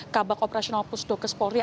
kabak operasional pusdokes polri